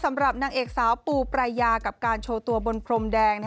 สำหรับนางเอกสาวปูปรายากับการโชว์ตัวบนพรมแดง